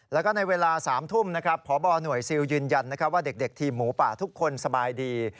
แล้วก็ในเวลา๓ทุ่มนะครับพบหน่วยซิลยืนยันว่าเด็กทีมหมูป่าทุกคนสบายดี